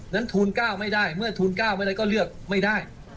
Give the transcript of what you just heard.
นั้นทูลก้าวไม่ได้เมื่อทูลก้าวไม่ได้ก็เลือกไม่ได้